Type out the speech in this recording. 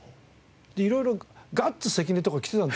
で色々「ガッツ関根」とか来てたんですよ。